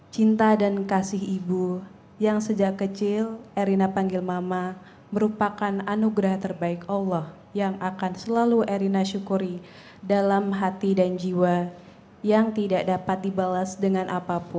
cinta dan kasih ibu yang sejak kecil erina panggil mama merupakan anugerah terbaik allah yang akan selalu erina syukuri dalam hati dan jiwa yang tidak dapat dibalas dengan apapun